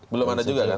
belum ada juga kan